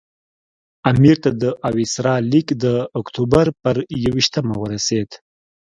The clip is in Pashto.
امیر ته د وایسرا لیک د اکټوبر پر یو دېرشمه ورسېد.